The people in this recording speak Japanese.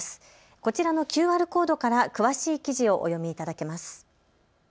こちらのＱＲコードから詳しい記事をお読みいただけます。